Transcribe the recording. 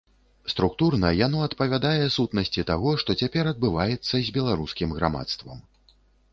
Структурна яно адпавядае сутнасці таго, што цяпер адбываецца з беларускім грамадствам.